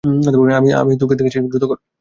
আমি তোকে দেখেছি, দ্রুত কর।